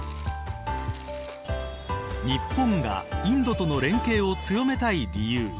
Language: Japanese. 日本がインドとの連携を強めたい理由。